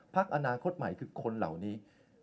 พักอนาคตใหม่คือคนเหล่านี้